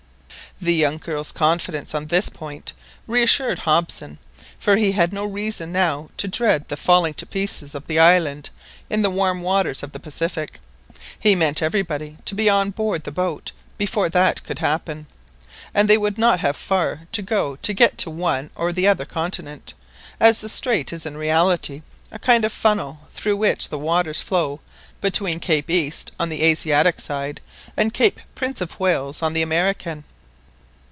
The young girl's confidence on this point reassured Hobson, for he had no reason now to dread the falling to pieces of the island in the warm waters of the Pacific. He meant everybody to be on board the boat before that could happen, and they would not have far to go to get to one or the other continent, as the strait is in reality a kind of funnel through which the waters flow between Cape East on the Asiatic side and Cape Prince of Wales on the American.